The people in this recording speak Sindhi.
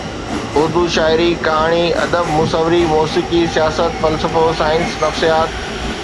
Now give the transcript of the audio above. اردو شاعري، ڪهاڻي، ادب، مصوري، موسيقي، سياست، فلسفو، سائنس، نفسيات